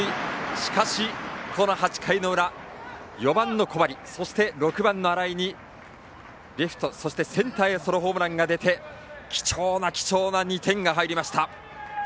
しかし、この８回の裏４番の小針そして６番の新井にレフト、センターへソロホームランが出て貴重な貴重な２点が入りました。